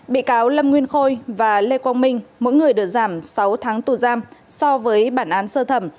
bị cáo lâm nguyên khôi và lê quang minh mỗi người được giảm sáu tháng tù giam so với bản án sơ thẩm